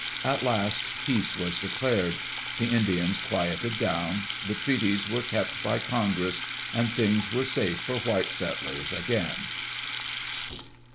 At last peace was declared, the Indians quieted down, the treaties were kept by Congress, and things were safe for white settlers again.